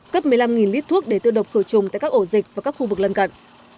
cấp một mươi năm lít thuốc để tư độc khử trùng tại các ổ dịch và các khu vực lân cận